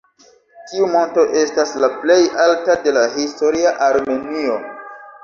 Tiu monto estas la plej alta de la historia Armenio.